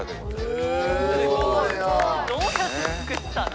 すごいどうやって作ったの？